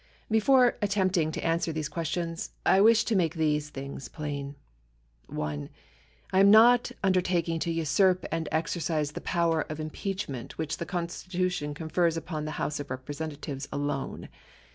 Before attempting to answer these questions, I wish to make these things plain : 1. I am not undertaking to usurp and exercise the power of im peachment, which, the Constitution confers upon the House of Repre sentatives alone.